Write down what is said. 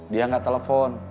dia nggak telepon